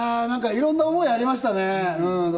いろんな思いがありましたね。